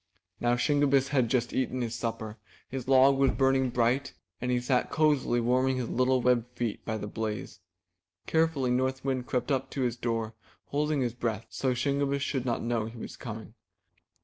Now Shingebiss had just eaten his supper, his log was burning bright, and he sat cozily warming his little webbed feet by the blaze. Carefully North Wind crept up to his door, holding his breath, so Shingebiss should not know he was coming.